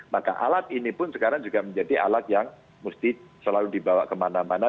maka alat ini pun sekarang juga menjadi alat yang mesti selalu dibawa kemana mana